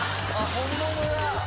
本物だ！